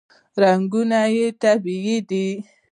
رنګونه یې طبیعي دي.